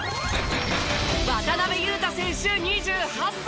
渡邊雄太選手２８歳。